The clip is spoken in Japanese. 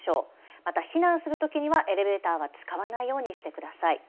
また避難するときにはエレベーターは使わないようにしてください。